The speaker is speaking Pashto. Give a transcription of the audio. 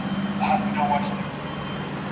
دا پروګرام د محصلینو لخوا ډیزاین سوی دی.